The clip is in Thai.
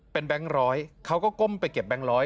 เป็นแบงค์ร้อยเขาก็ก้มไปเก็บแบงคร้อย